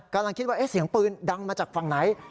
กำลังคิดว่าเสียงปืนดังมาจากฝั่งไหน